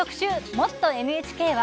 「もっとＮＨＫ」は